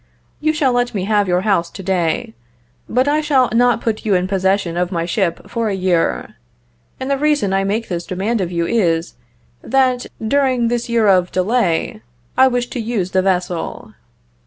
You shall let me have your house to day, but I shall not put you in possession of my ship for a year; and the reason I make this demand of you is, that, during this year of delay, I wish to use the vessel."